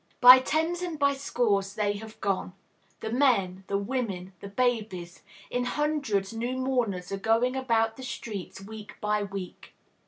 By tens and by scores they have gone, the men, the women, the babies; in hundreds new mourners are going about the streets, week by week.